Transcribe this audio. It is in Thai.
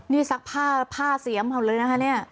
นี่ซักผ้าเสียงเอาเลยนะคะ